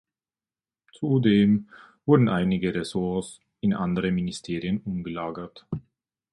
Zudem wurden einige Ressorts in andere Ministerien umgelagert.